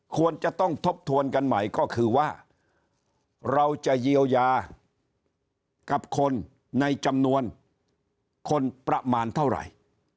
ควรจะต้องทบทวนกันใหม่ก็คือว่าเราจะเยียวยากับคนในจำนวนคนประมาณเท่าไหร่